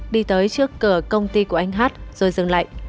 đi tới trước cửa công ty của anh hát rồi dừng lại